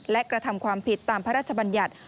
และกระทำความผิดตามพระราชบัญญัติ